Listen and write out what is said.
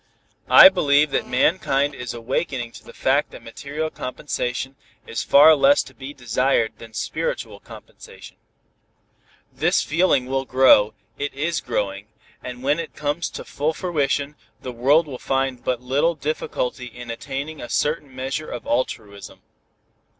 I believe that mankind is awakening to the fact that material compensation is far less to be desired than spiritual compensation. This feeling will grow, it is growing, and when it comes to full fruition, the world will find but little difficulty in attaining a certain measure of altruism.